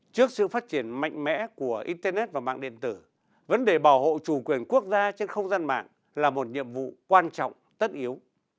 trước sự phát triển mạnh mẽ của internet và mạng điện tử vấn đề bảo hộ chủ quyền quốc gia trên không gian mạng là một nhiệm vụ quan trọng tất yếu